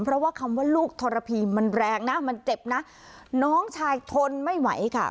เพราะว่าคำว่าลูกทรพีมันแรงนะมันเจ็บนะน้องชายทนไม่ไหวค่ะ